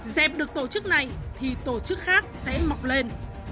xem được tổ chức này thì tổ chức khác sẽ mọc lên